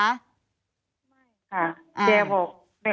ไม่ค่ะแกบอก